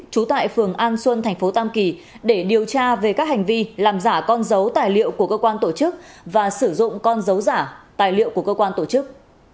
trú tại phường an xuân thành phố tam kỳ để điều tra về các hành vi làm giả con dấu tài liệu của cơ quan tổ chức và sử dụng con dấu giả tài liệu của cơ quan tổ chức